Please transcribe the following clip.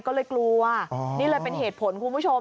ก็เลยกลัวนี่เลยเป็นเหตุผลคุณผู้ชม